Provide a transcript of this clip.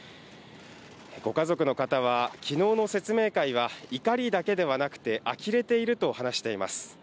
ご家族の方は、きのうの説明会は怒りだけではなくて、あきれていると話しています。